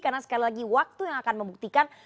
karena sekali lagi waktu yang akan membuktikan